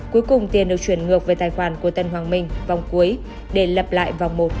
cuối cùng tiền được chuyển ngược về tài khoản của tân hoàng minh vòng cuối để lập lại vòng một